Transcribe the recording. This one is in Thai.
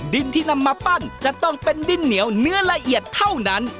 ดินที่นำมาปั้นจะต้องเป็นดินเหนียวเนื้อละเอียดเท่านั้น